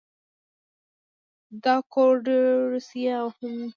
دا کوریډور روسیه او هند نښلوي.